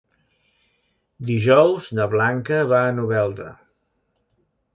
Dijous na Blanca va a Novelda.